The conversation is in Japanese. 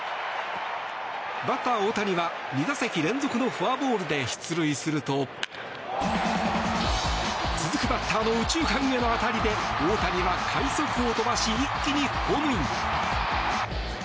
バッター・大谷は２打席連続のフォアボールで出塁すると続くバッターの右中間への当たりで大谷は快足を飛ばし一気にホームイン。